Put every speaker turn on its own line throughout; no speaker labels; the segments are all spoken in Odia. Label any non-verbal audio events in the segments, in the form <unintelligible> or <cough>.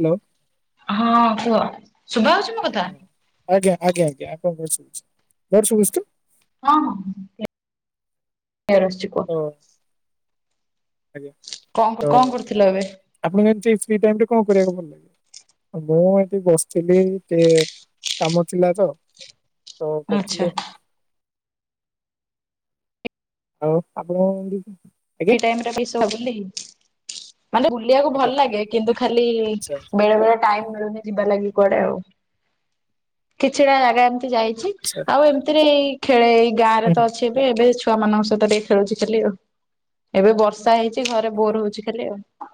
ହ୍ୟାଲୋ।
ହଁ କୁହ ଶୁଭା ହଉଛି ମୋ କଥା।
ହଁ ଆଜ୍ଞା ଆଜ୍ଞ ଆଜ୍ଞା ଆପଣଙ୍କର ଶୁଭୁଚି, ମୋର ଶୁଭୁଚି ତ?
ହଁ ହଁ, କ୍ଲିଅର ଆସଚି କୁଅ।
ହଁ ଆଜ୍ଞା
କଣ
ଓ
କଣ କରୁଥିଲ ଏବେ?
ଆପଣ କେମିତି ଫ୍ରି ଟାଇମରେ କଁ କରିବାକୁ ଭଲ ଲାଗେ? ମୁଁ ଏଠି ବସିଥିଲି ଟିକେ କାମ ଥିଲା ତ ତ
ଆଚ୍ଛା।
କରିଥିଲି। ଆଉ ଆପଣ <unintelligible>
ଟାଇମ୍ ଟା ଖାଲି ବୁଲି, ମାନେ ବୁଲିବାକୁ ଭଲ
ଆଜ୍ଞା
ଲାଗେ କିନ୍ତୁ ଖାଲି
ଆଚ୍ଛା
ବେଳେବେଳେ ଟାଇମ ମିଳୁନି ଯିବା ଲାଗି କୁଆଡେ ଆଉ, କିଛିଟା ଜାଗା ଏମତି ଯାଇଛି।
ଆଛା।
ଆଉ ଏମିତିରେ ଏଇ ଖେଳେ ଏଇ ଗାଁ ରେ ତ ଅଛି ଏବେ ଏବେ ଛୁଆ ମାନଙ୍କ ସହିତ ଟିକେ ଖେଳୁଛି ଖାଲି ଆଉ। ଏବେ ବର୍ଷା ହେଇଛି ଘରେ ବୋର ହଉଛି ଖାଲି ଆଉ।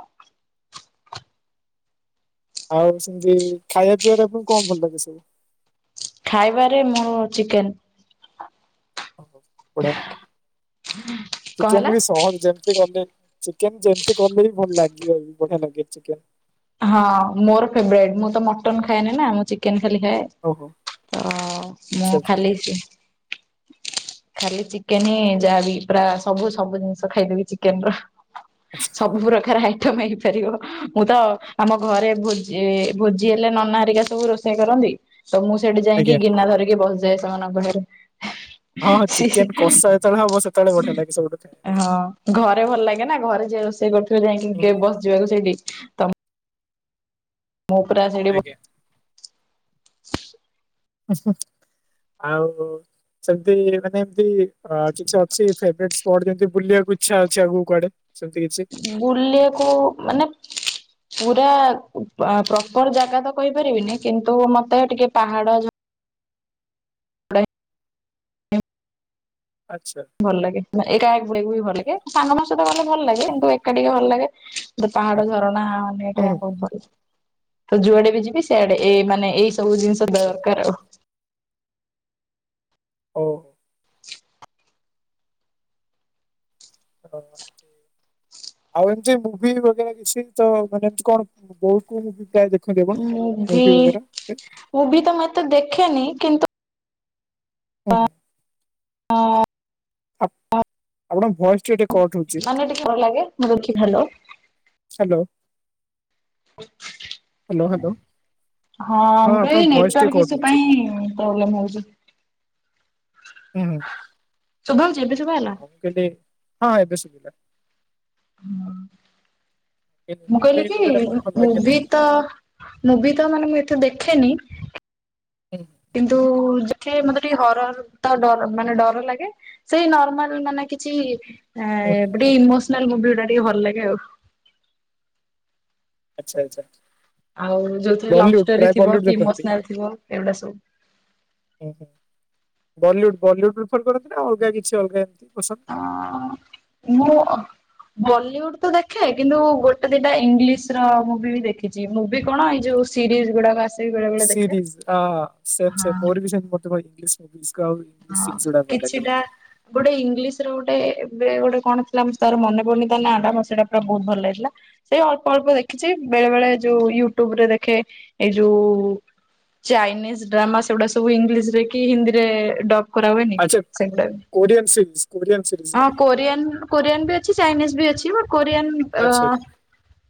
ଆଉ ସେମତି ଖାଇବା ପିଇବାରେ ଆପଣ ଙ୍କୁ କଁ ଭଲ ଲାଗେ ସବୁ?
ଖାଇବାରେ ମୋର ଚିକେନ।
ଓହୋ, ବଢିଆ
କଣ
ଚିକେନ
ହେଲା?
ବି ସହଜ ଯେମିତି କଲେ ଚିକେନ ଯେମିତି କଲେ ବି ଭଲ ଲାଗିବ ବଢିଆ ଲାଗେ ଚିକେନ।
ହଁ ମୋର ଫେବରାଇଟ ମୁଁ ତ ମଟନ ଖାଏନି ନା ମୁଁ ଚିକେନ ଖାଲି ଖାଏ।
ଓହୋ
ତ ମୁଁ
ଆଚ୍ଛା ଆଚ୍ଛା
ଖାଲି ଛି ଖାଲି ଚିକେନ ହିଁ ଯାହାବି ପୁରା ସବୁ ସବୁ ଜିନିଷ ଖାଇଦେବି ଚିକେନ ର। ସବୁ ପ୍ରକାର ଆଇଟମ ହେଇପାରିବ, ମୁଁ ତ ଆମ ଘରେ ଭୋଜି ଭୋଜି ହେଲେ ନନା ହେରିକା ସବୁ ରୋଷେଇ କରନ୍ତି। ତ ମୁଁ ସେଠି ଯାଇକି
ଆଜ୍ଞା
ଗିନା ଧରିକି ବସିଯାଏ ସେମାନଙ୍କ ପାଖରେ।
ହଁ ହଁ
ସି
ଚିକେନ କଷା ଯେତେବେଳେ ହବ ସେତେବେଳେ ବଢିଆ ଲାଗେ ସବୁଠୁ ଖାଇବା
ହଁ ଘରେ ଭଲ ଲାଗେ ନା ଘରେ ଯେ ରୋଷେଇ କରୁଥିବେ
ହୁଁ।
ଯାଇଁକି ବସ ଯିବାକୁ ସେଇଠି। ତ ମୁଁ ପୁରା ସେଠୀ ବ
ଆଜ୍ଞା। ଆଉ ହୋଉ। ସେମତି ମାନେ ଏମତି କିଛି ଅଛି ଫେବ୍ରେଟ ସ୍ପଟ ଯେମିତି ବୁଲିବାକୁ ଇଛା ଅଛି ଆଗକୁ କୁଆଡେ? ସେମତି କିଛି।
ବୁଲେ କୋଉ ମାନେ। ପୁରା ଅ ପ୍ରପର ଜାଗା ତ କହିପାରିବିନି କିନ୍ତୁ ମତେ ଟିକେ ପାହାଡ ଝ
ଆଚ୍ଛା।
ଭଲ ଲାଗେ ମାନେ ଏକା ଯିବାକୁ ବି ଭଲ ଲାଗେ, ସାଙ୍ଗମାନଙ୍କ ସହିତ ଗଲେ ଭଲ ଲାଗେ କିନ୍ତୁ ଏକା ଟିକେ ଭଲ ଲାଗେ‌। ମତେ ପାହାଡ଼ ଝରଣା
ହଁ ହୁଁ
ବୁଲିବାକୁ
ହୁଁ
ବହୁତ ଭଲ ଲାଗେ। ତ ଯୁଆଡେ ବି ଯିବି ସେଆଡେ ଏ ମାନେ ଏଇ ସବୁ ଜିନିଷ
ଆଚ୍ଛା ଆଚ୍ଛା
ଦରକାର ଆଉ।
ଓ। ହଁ ଠିକ୍। ଆଉ ଏମତି ମୁଭି ବଗେରା କିଛି ତ ମାନେ ଏମତି କଣ କୋଉ କୋଉ ମୁଭି ଯାଅ। ଦେଖନ୍ତି ଆପଣ
ମୁଭି
ମୁଭିି ବଗେରା।
ମୁଭି ତ ମୁଁ ଏତେ ଦେଖେନି କିନ୍ତୁ।
ହୁଁ ହୁଁ
<unintelligible>
ଆପ ଆପଣଙ୍କ ଭଏସ ଟି ଟିକେ କଟ
ମାନେ ଟିକେ ଭଲ ଲାଗେ ମୁଁ ଦେଖିଲେ ହାଲୋ।
Hello hello hello.
ହଁ ମୁଁ କହିଲି ଏଇ ନେଟୱାର୍କ ଈସୁ ପାଇଁ ପ୍ରୋବ୍ଲେମ ହଉଛି।
ହୁଁ ହୁଁ।
ଶୁଭା ଯାଉଛି ଏବେ ଶୁଭା ଗଲା।
ହଁ ମୁଁ କେବେ ହଁ ଏବେ ସୁବିଲା।
ହୁଁ ମୁଁ
ମୁଭି
କହିଲି କି
ବଗେରା କଣ ଭଲ ଲାଗେ
ମୁଭି।
ଏମିତି
ତ ମୁଭି ତ ମାନେ ମୁଁ ଏତେ ଦେଖେନି।
<unintelligible>
କିନ୍ତୁ ଦେଖେ ମତେ ଟିକେ ହରର ଟା ଡର ମାନେ ଡର ଲାଗେ। ସେଇ ନର୍ମାଲ ମାନେ କିଛି ଆଁ
ହୁଁ ହୁଁ।
ଗୋଟେ ଇମୋସନାଲ ମୁଭି ଗୁଡା ଟିକେ ଭଲ ଲାଗେ ଆଉ।
ଆଚ୍ଛା ଆଚ୍ଛା।
ଆଉ ଯୋଉଥିରେ ଲଭ
ବଲିଉଡ
ଷ୍ଟୋରି
ପ୍ରାୟ
ଥିବ
ବଲିଉଡ
କି
ଦେଖନ୍ତି?
ଇମୋସନାଲ ଥିବ ଏଇଗୁଡା ସବୁ‌।
ହୁଁ ହୁଁ ବଲିଉଡ୍ ବଲିଉଡ୍ ପ୍ରିଫର କରନ୍ତି ନା ଅଲଗା କିଛି ଅଲଗା ଏମତି ପସନ୍ଦ।
ଅ
<inaudible>
ମୁଁ ଅ। ବଲିଉଡ ତ ଦେଖେ କିନ୍ତୁ ଗୋଟେ ଦିଟା ଇଂଲିଶ ର ମୁଭି ବି ଦେଖି ଚି ମୁଭି କଣ ଏଇ ଯୋଉ ସରିଜ ଗୁଡାକ ଆସି
ସିରିଜ ଅଁ ସେମ୍
ହଁ।
ସେସ୍ ମୋର ବି ସେମ ମତେ ଭାଇ ଇଂଲିଶ। ମୁଭିଯ୍ ଆଉ ଇଂଲିଶ
ହଁ
ସିରିଜର ଗୁଡା ଭଲ ଲାଗେ
କିଛିଟା
ମତେ।
ଗୋଟେ ଇଂଲିଶ ର ଗୋଟେ ଏବେ ଗୋଟେ କଣ ଥିଲା ତାର ମନେ ପଡୁନି ତା ନା ଟା ମତେ ସେଇଟା ପୁରା ବହୁତ ଭଲ ଲାଗିଥିଲା। ସେଇ ଅଳ୍ପ ଅଳ୍ପ ଦେଖିଛି ବେଳେ ବେଳେ ଯୋଉ ୟୁଟ୍ୟୁବ ରେ ଦେଖେ ଏଇ ଯୋଉ। ଚାଇନିଜ ଡ୍ରାମା ସେଗୁଡ଼ା ସବୁ ଇଂଲିଶ ରେ କି ହିନ୍ଦୀରେ ଡବ କରା ହୁଏନି
ଆଚ୍ଛା
ସେଗୁଡାକୁ
କୋରିଆନ ସିରିଜ କୋରିଆନ ସିରିଜ
ହଁ
ରାଇଟ
କୋରିଆନ୍। କୋରିଆନ୍ ବି ଅଛି, ଚାଇନିଜ ବି ଅଛି ବ କୋରିଆନ୍ ଅ।
ଆଚ୍ଛା ହୁଁ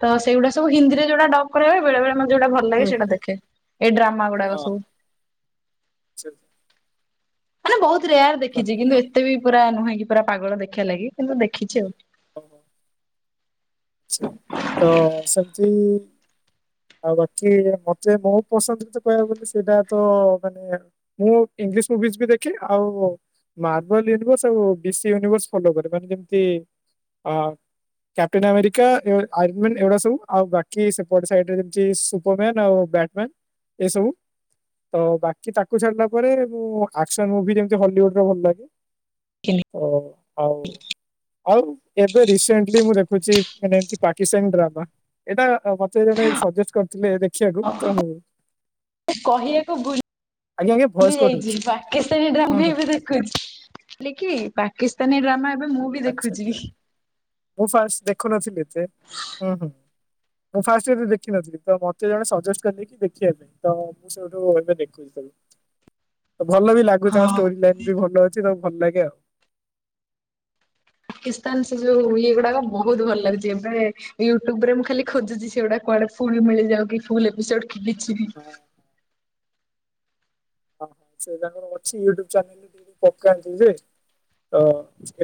ତ ସେଇଗୁଡା ସବୁ ହିନ୍ଦୀରେ ଯୋଉ ଗୁଡା ଡବ କରାହୁଏ ବେଳେ ବେଳେ ମତେ ଯୋଉଟା ଭଲ ଲାଗେ
ହୁଁ
ସେଇଟା ଦେଖେ। ଏ ଡ୍ରାମା ଗୁଡାକ
ହଁ
ସବୁ।
ସେ ଆଚ୍ଛା
ମାନେ ବହୁତ ରେୟାର ଦେଖିଛି କିନ୍ତୁ ଏତେ ବି ପୁରା ନୁହେଁ କି ପୁରା ପାଗଳ ଦେଖିବା ଲାଗି କିନ୍ତୁ ଦେଖିଛି ଆଉ।
ଓ। ଆଛା ତ ସେମତି। ଆଉ ବାକି ମତେ ମୋ ପସନ୍ଦରେ ତ କହିବାକୁ ଗଲେ ସେଇଟା ତ ମାନେ। ମୁଁ ଇଂଲିଶ ମୁଭିଜ ବି ଦେଖେ ଆଉ। ମାର୍ବଲ ୟୁନିଭର୍ସ ଆଉ ବିସି ୟୁନିଭର୍ସ ଫଲୋ କରେ ମାନେ ବାସ ସେତିକି ଆ କେପ୍ଟଟେନ ଆମେରିକା ଏଣ୍ଡ <unintelligible> ଆଉ ସେ ପଛ ସାଇଡ୍ ରେ ଏ ସୁପରମେନ ଆଉ ବ୍ୟାଟସମେନ ଏ ସବୁ ତ ବାକି ତାକୁ ଛାଡିଲା ପରେ ମୁଁ ଆକ୍ସନ ମୁଭି ଯେମତି ହଲିଉଡର ଭଲ ଲାଗେ। ତ ଆଉ ଆଉ ଏବେ ରିସେଣ୍ଟଲି ମୁଁ ଦେଖୁଛି ମାନେ ଏମତି ପାକିସ୍ତାନୀ ଡ୍ରାମା ଏଟା ମତେ ଜଣେ ସଜେଷ୍ଟ କରିଥିଲେ ଦେଖିବାକୁ ତ
କହିବାକୁୁ ଭୁଲି
ଆଜ୍ଞା ଆଜ୍ଞା
ଭୁଲି
ଭଏସ କୋଟ୍
ଯାଇଛି
ହଉଛି
ପାକିସ୍ତାନୀ
ହୁଁ
ଡ୍ରାମା
ହୁଁ
<unintelligible> ହେ କି ପାକିସ୍ତାନୀ ଡ୍ରାମା ଏବେ ମୁଁ ବି
ଆଚ୍ଛା
ଦେଖୁଛି।
ଆଚ୍ଛା ମୁଁ ଫାଷ୍ଟ ଦେଖୁନଥିଲି ଏତେ ହଁ ହୁଁ। ମୁଁ ଫାଷ୍ଟ ରେ ଦେଖିନଥିଲି ତ ମତେ ଜଣେ ସଜେଷ୍ଟ କର କି ଦେଖିବା ପାଇଁ ତ ମୁଁ ସେଇଠୁ ଏବେ ଦେଖୁ ଭଲ ବି ଲାଗୁଛି
ହଁ
ତାଙ୍କ ଷ୍ଟୋରି ଲାଇନ ବି ଭଲ ଅଛି ତ ଭଲ ଲାଗେ ଆଉ।
ପାକିସ୍ତାନ ସେ ଯୋଉ ଇଏ ଗୁଡାକ ବହୁତ ଭଲ ଲାଗୁଛି ଏବେ ୟୁଟ୍ୟୁବରେ ମୁଁ ଖାଲି ଖୋଜୁଛି ସେଗୁଡା କୁଆଡେ ଫୁଲ ମିଳିଯାଉ କି ଫୁଲ ଏପିସୋଡ କିଛି ବି।
ହଁ ଓହଁ ସେ ତାଙ୍କର ଅଛି ୟୁଟ୍ୟୁବ <unintelligible> ଯେ ତ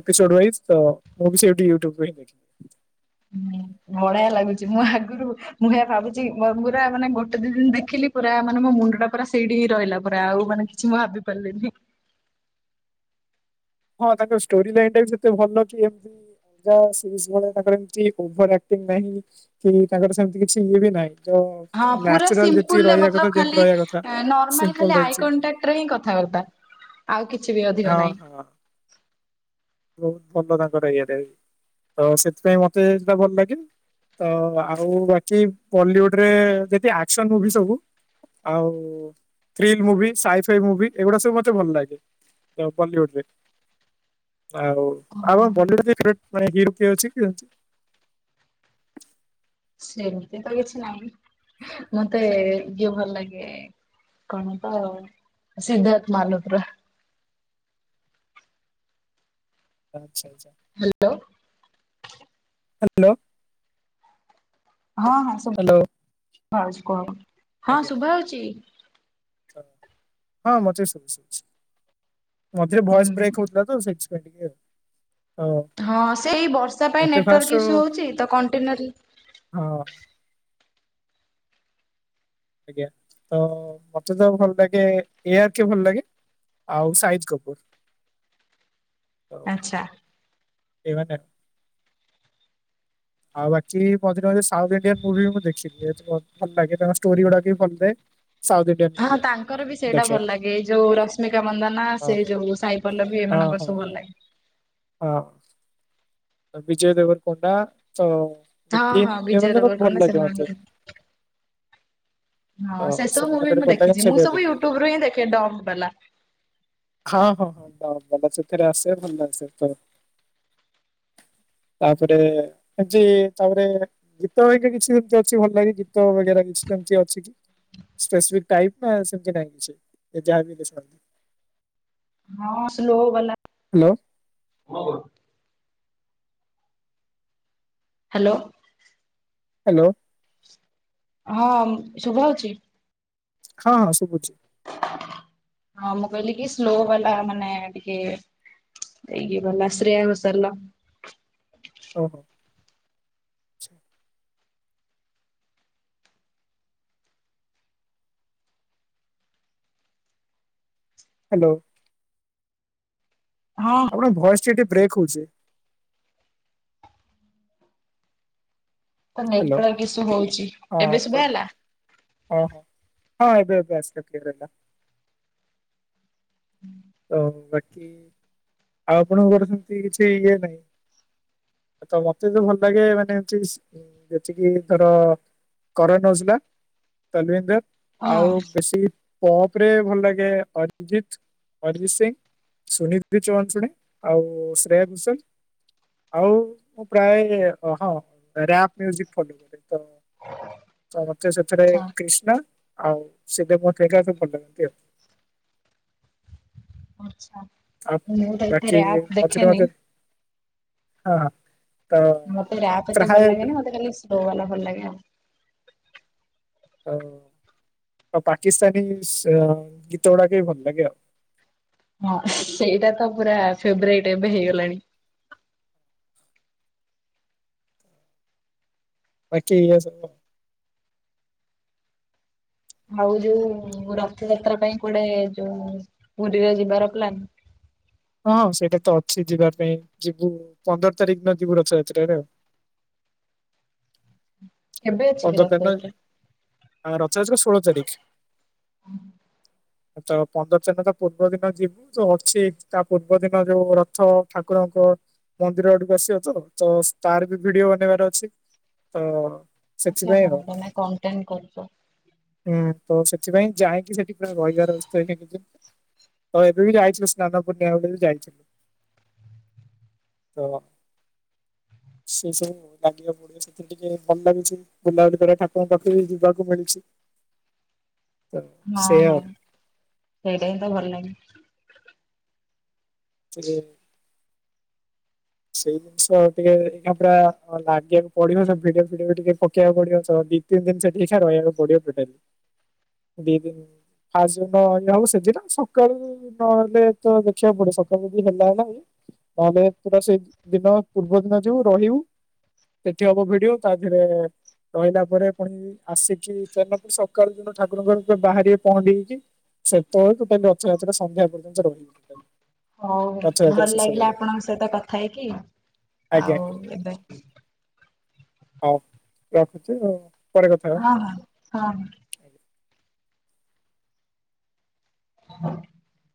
ଏପିସୋଡ ୱାଇଜ ତ ମୁଁ ବି ସେଇଠି ୟୁଟୁବ ହିଁ ଦେଖି
ହୁଁ ବଢିଆ ଲାଗୁଛି ମୁଁ ଆଗରୁ ମୁଁ ଏହା ଭାବୁଛି ପୁରା ମାନେ ଗୋଟେ ଦି ଦିନ ଦେଖିଲି ପୁରା ମାନେ ମୋ ମୁଣ୍ଡ ଟା ପୁରା ସେଇଠି ହିଁ ରହିଲା ପୁରା ଆଉ ମାନେ କିଛି ମୁଁ ଆଉ ଭାବି ପାରିଲିନି।
ହଁ ତାଙ୍କ ଷ୍ଟୋରି ଲାଇନ୍ ଟା ବି ଯେତେ ଭଲ କି ଏମତି <unintelligible> ତାଙ୍କର କିଛି ଓଭରେକ୍ଟିଂ ନାହିଁ କି ତାଙ୍କର ସେମତି କିଛି ଇଏ ବି ନାହିଁ।
ହଁ ପୁରା
ନାଚୁରାଲ ଯେତିକି
ସିମ୍ପୁଲରେ
ରହିବା
ମତଲବ
କଥା ଯେମତି
ଖାଲି
ରହିବା କଥା ସିମ୍ପଲ ରହିଛି।
ରେ ହିଁ କଥାବାର୍ତ୍ତା ଆଉ କିଛି ବି ଅଧିକ
ହଁ
ନାହିଁ।
ହଁ ବହୁତ ଭଲ ତାଙ୍କର ଇଏରେ ତ ସେଥିପାଇଁ ମତେ ସେଟା ଭଲ ଲାଗେ। ତ ଆଉ ବାକି ବଲିଉଡରେ ଯଦି ଆକ୍ସନ ମୁଭି ସବୁ ଆଉ ଥ୍ରିଲ ମୁଭି ସାଇଫାଇ ମୁଭି ଏଗୁଡା ସବୁ ମତେ ଭଲ ଲାଗେ ବଲିଉଡ ରେ। ଆଉ
ହଁ
<unintelligible> ମାନେ ହିରୋ କିଏ ଅଛି କି?
ସେମିତି ତ କିଛି ନାହିଁ ମତେ ଇଏ ଭଲ ଲାଗେ। କଣ ତ ସିଦ୍ଧାର୍ଥ ମଲ୍ହୋତ୍ର।
ଆଚ୍ଛା ଆଚ୍ଛା।
ହ୍ୟାଲୋ।
ହ୍ୟାଲୋ।
ହଁ
ହ୍ୟାଲୋ
ହଁ କଣ ହଁ
ଆଜ୍ଞା
ଶୁଭାଯାଉଛି।
ହଁ ମତେ ଶଛି ମଝୀରେ ଭଏସ
ହୁଁ
ବ୍ରେକ୍ ହଉଥିଲା। <unintelligible>
ହଁ ସେଇ ବର୍ଷା ପାଇଁ
ମତେ
ନେଟୱାର୍କ
ଫାଷ୍ଟ
ଇସୁ ହଉଛି ତ କଣ୍ଟେନର
ହଁ। ଆଜ୍ଞା ତ ମତେ ତ ଭଲ ଲାଗେ ଏଆର୍ କି ଭଲ ଲାଗେ। ଆଉ ସାହିଦ କପୂର
ଆଚ୍ଛା
ଏଇମାନେ। ଆଉ ବାକି ମଝିରେ ମଝିରେ ସାଉଥ ଇଣ୍ଡିଆନ୍ ମୁଭି ବି ମୁଁ ଦେଖିଲିତ ଭଲ ଲାଗେ ତାଙ୍କ ଷ୍ଟୋରି ଗୁଡାକ ବି ଭଲ ଲାଗେ।
ହଁ ତାଙ୍କର ବି ସେଇଟା ଭଲ ଲାଗେ ଏଇ ଯୋଉ ରଶ୍ମିକା ମନ୍ଦନା
ହଁ
ସେ ଯୋଉ ସାଇପଲ୍ଲବୀ
ହଁ
ଏମାନଙ୍କର
ହଁ
ସବୁ ଭଲ ଲାଗେ।
ହଁ। ବିଜୟ ଦେବର କଣ୍ଡା ତ
ହଁ
ନିତିନ
ହଁ ବିଜୟ
ଏମାନେ କଣ ଭଲ
ଦେବାରକୋଣ୍ଡ
ଲାଗେ ମତେ
ସେମାନଙ୍କର।
ତ
ହଁ ସେସବୁ ମୁଭି
ସେମାନଙ୍କର
ମୁଁ
ଭଲ ଲାଗେ
ଦେଖିଛି ମୁଁ
ସେଇଥିପାଇଁ
ସବୁ
ଦେଖିଦିଏ।
ୟୁଟ୍ୟୁବ ରୁ ହିଁ ଦେଖେ ଡବ୍ ବାଲା।
ହଁ ହଁ ହଁ ତା ଭଲ ସେଥେରେ ଆସ ଭଲ ସେ। ତାପରେ ଆଜି ତାପରେ। ଗୀତ ଘରିକା କିଛି ସେମତି ଅଛି ଭଲ ଲାଗେ ଗୀତ ବଗେରା କିଛି ସେମିତି ଅଛି କି। ସ୍ପେସିଫିକ ଟାଇପ ନା ସେମତି ନାଇ କିଛି ସେ ଯାହା ବି ହେଲେ ଶୁଣନ୍ତି।
ହଁ ସ୍ଲୋ ବାଲା।
ହାଲୋ।
କଁ କରୁଛୁ। ହାଲୋ।
ହାଲୋ।
ହଁ ଶୁଭାଯାଉଛି।
ହଁ ହଁ ଶୁଭୁଛି।
ହଁ ମୁଁ କହିଲି କି ସ୍ଲୋ ବାଲା ମାନେ ଟିକେ। ଏଇ କି ଗଲା ଶ୍ରିୟା ଘୋଶାଲ୍ ର।
ଓହୋ। ହାଲୋ।
ହଁ।
ତମ ଭଏସ୍ ଟିକେ ଟିକେ ବ୍ରେକ୍ ହଉଛି।
କଁ
ହ୍ୟାଲୋ
ନେଟୱର୍କ ଇସ୍ୟୁ ହଉଛି ଏବେ ଶୁଭା ଗଲା।
ଓହୋ ହଁ ଏବେ ଏବେ ଆସିଲା କ୍ଲିଅର ହେଲା। ଓ ବାକି ଆଉ ଆପଣଙ୍କ ସେମତି କିଛି ଇଏ ନାହିଁ। ତ ନାଚିବାକୁ ଯୋଉ ଭଲ ଲାଗେ ମାନେ ଚୁଜ। <unintelligible>
ହଁ
ଆଉ ବେଶି ପପ୍ ରେ ଭଲ ଲାଗେ ଅରିଜିତ୍। ଅରିଜୀତ ସିଂ ସୂନିଧି ଚୌହାନ ସୁଣେ ଆଉ ଶ୍ରେୟା ଘୋସାଲ୍। ଆଉ ମୁଁ ପ୍ରାଏ ହଁ ରାପ୍ ମ୍ୟୁଜିକ୍ ଫଲୋ କରେ ତ।
ଆଛା
<unintelligible>
ଆଚ୍ଛା।
ଆଉ ବାକି ମଝିରେ ମଝିରେ ହାଁ ହାଁ।
ମତେ ରାପ୍ ଏତେ ଭଲ ଲାଗେନି ମତେ ଖାଲି ସ୍ଲୋ ବାଲା ଭଲ ଲାଗେ ଆଉ।
ତ ତ ପାକିସ୍ତାନୀ ସ୍ ଗୀତ ଗୁଡାକ ବି ଭଲ ଲାଗେ ଆଉ।
ହଁ ସେଇଟା ତ ପୁରା ଫେବରାଇଟ୍ ଏବେ ହେଇଗଲାଣି।
ବାକି ଏଇଆ ସବୁ ଆଉ।
ଆଉ ଯୋଉ ରଥଯାତ୍ରା ପାଇଁ କୁଆଡେ ଯୋଉ ପୁରୀରେ ଯିବାର ପ୍ଲାନ।
ହଁ ସେଇଟା ତ ଅଛି ଯିବା ପାଇଁ ଯିବୁ ପନ୍ଦର ତାରିଖ ଦିନ ଯିବୁ ରଥଯାତ୍ରରେ ଆଉ।
କେବେ ଅଛି କି
ପନ୍ଦର ତାରିଖ ଦିନ
ରଥଯାତ୍ରା?
ଆ ରଥଯାତ୍ରା ଷୋହଳ ତାରିଖ। ତ ପନ୍ଦର ତାରିଖ ଦିନ ତା ପୂର୍ବ ଦିନ ଯିବୁ। ଯୋଉ ଅଛି ତା ପୂର୍ବ ଦିନ ଯୋଉ ରଥ ଠାକୁରଙ୍କ। ମନ୍ଦିର ଆଡକୁ ଆସିବ ତ ତାର ବି ଭିଡିଓ ବନେଇବାର ଅଛି ତ।
ଆଚ୍ଛା
ସେଥିପାଇଁ
ହଁ
ଆଉ
ତମେ କଣ କଣ୍ଟେଣ୍ଟ କରିଛ।
ହୁଁ ତ ସେଥିପାଇଁ ଯାଇକି ସେଠି ପୁରା ରହିବାର ଅଛି ତ ତ ଏବେ ବି ଯାଇଥିଲୁ ସ୍ନାନ ପୂର୍ଣ୍ଣିମା ବେଳେ ବି ଯାଇଥିଲୁ। ତ। <unintelligible> ବୁଲାବୁଲି କରିବା ଠାକୁରଙ୍କ ପାଖକୁବି ଯିବାକୁ ମିଳୁଛି। ତ
ହଁ
ସେଇଆ
ହଁ
ଆଉ
ସେଇଟା ହିଁତ ଭଲ ଲାଗେ।
<unintelligible> ସେଇ ଜିନିଷ ଟିକେ ଏନା ପ୍ରାୟ ଲାଗେ ପଡ଼ିବ ସେମିତି ଭିଡିଓ ଫିଡିଓ ଟିକେ ପକେଇବାକୁ ପଡ଼ିବ ଯଦି ତିନି ଦିନ୍ ସେଠି ଏକା ରହିବାକୁ ପଡ଼ିବ ଟୋଟାଲି ଦି ଦିନ୍ ଫାଷ୍ଟ ଯୋଉଦିନ ଇଏହବ ସେଦିନ ସକାଳୁ ନହେଲେତ ଦେଖିବାକୁ ପଡ଼ିବ ସକାଳୁ ଯଦି ହେଲା ହେଲାବି ନହେଲେ ପୁରା ସେଇଦିନ ପୂର୍ବ ଦିନ ଯିବୁ ରହିବୁ ସେଠି ହବ ଭିଡିଓ ତାଦେହେରେ ରହିଲା ପରେ ପୁଣି ଆସିକି ସେଦିନ ପୁଣି ସକାଳୁ ଯୋଉଦିନ ଠାକୁରଙ୍କର ବାହାରିବେ ପହଣ୍ଡି ହେଇକି ସେତେବେଳକୁ ଟୋଟଲି ରଥଯାତ୍ରା ସନ୍ଧ୍ୟା ପର୍ଯ୍ୟନ୍ତ ରହିବୁ ଟୋଟାଲି।
ହଉ
ରଥଯାତ୍ରା
ଭଲ
ଶେଷ
ଲାଗିଲା
ପର୍ଯ୍ୟନ୍ତ
ଆପଣଙ୍କ ସହିତ କଥା ହେଇକି
ଆଜ୍ଞା
ଆଉ ଏବେ
ହଉ କରୁଚି ଆଉ। ପରେ କଥା
ହଁ ହଁ ହଁ।
ହବା।
<inaudible>